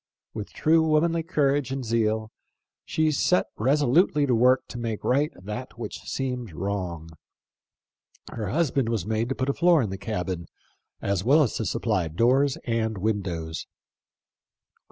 With true womanly courage and zeal she set resolutely to work to make right that THE LIFE OF LINCOLN. 3 1 which seemed wrong. Her husband was made to put a floor in the cabin, as well as to supply doors and windows.